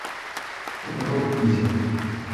Salvador Illa.